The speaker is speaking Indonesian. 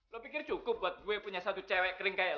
lo pikir cukup buat gue punya satu cewek kering kayak